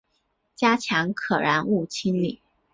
加强可燃物清理